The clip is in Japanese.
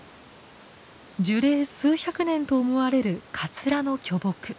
樹齢数百年と思われるカツラの巨木。